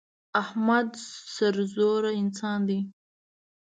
احمد سرزوره انسان دی.